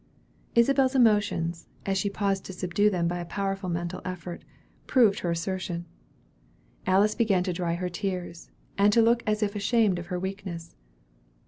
Isabel's emotions, as she paused to subdue them by a powerful mental effort, proved her assertion. Alice began to dry her tears, and to look as if ashamed of her weakness.